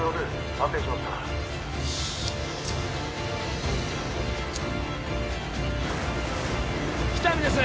安定しました喜多見です